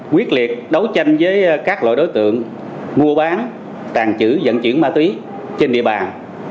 quyết liệt đấu tranh với các loại đối tượng mua bán tàng trữ dẫn chuyển ma túy trên địa bàn